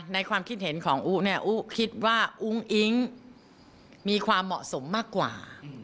ในความคิดเห็นของอู๋อู๋คิดว่าอุ้งอิงมีความเหมาะสมมากกว่า